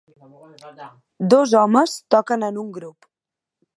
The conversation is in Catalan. Dos homes toquen en un grup.